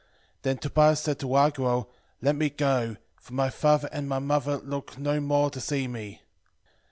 Then Tobias said to Raguel, Let me go, for my father and my mother look no more to see me.